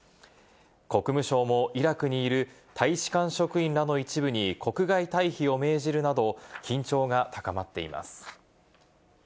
国務省もイラクにいる大使館職員など一部に国外退避を命じるなど緊張が高まっています。